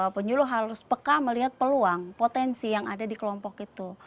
penyuluh harus peka melihat peluang potensi yang ada di kelompok itu